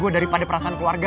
gue daripada perasaan keluarga